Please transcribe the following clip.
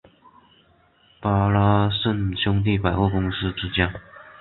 巴拉什兄弟百货公司之间。